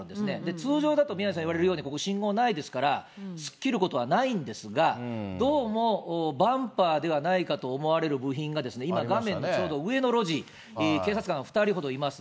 通常だと宮根さん言われるように、ここ信号ないですから、突っ切ることはないんですが、どうもバンパーではないかと思われる部品が、今、画面のちょうど上の路地、警察官が２人ほどいます。